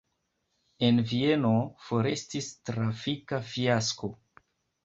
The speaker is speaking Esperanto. En Vieno forestis trafika fiasko.